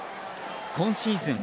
今シーズン